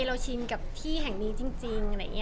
เราชินกับที่แห่งนี้จริง